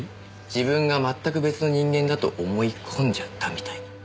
自分が全く別の人間だと思い込んじゃったみたいな。